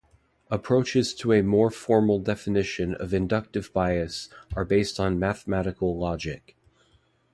Approaches to a more formal definition of inductive bias are based on mathematical logic.